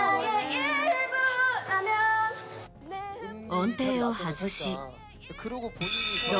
音程を外し。